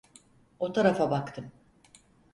O tarafa baktım.